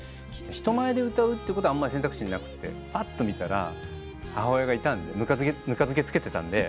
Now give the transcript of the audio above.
人前で歌うっていうことはあんまり選択肢になくてぱっと見たら母親がいたんでぬか漬け漬けてたんで。